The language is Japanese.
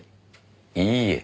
いいえ。